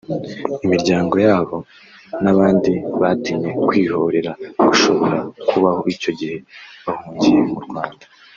imiryango yabo n’abandi batinye kwihorera gushobora kubaho icyo gihe bahungiye mu Rwanda